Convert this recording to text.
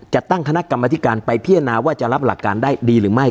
จะตั้งคณะกรรมธิการไปพิจารณาว่าจะรับหลักการได้ดีหรือไม่